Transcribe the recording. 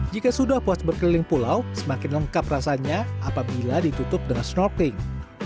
jika sudah puas berkeliling pulau semakin lengkap rasanya apabila ditutup dengan snorkeling